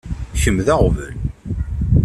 Kemm d aɣbel.